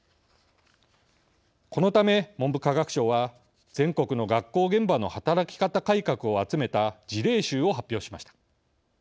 このため、文部科学省は全国の学校現場の働き方改革を集めた事例集を発表しました。